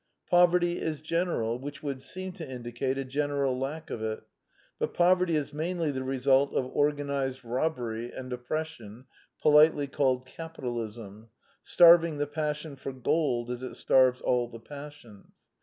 Poverty is general, which would seem to indicate a general lack of it; but poverty is mainly the result of organized robbery and oppression (po litely called Capitalism) starving the passion for gold as it starves all the passions.